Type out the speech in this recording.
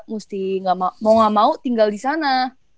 mesti mau gak mau tinggal di sana